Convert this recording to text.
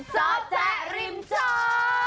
เจ้าแจ๊กริมเจ้า